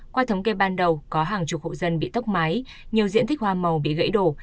qua thống kê ban đầu có hàng chục hộ dân bị tốc mái nhiều diện tích hoa màu bị gãy đổ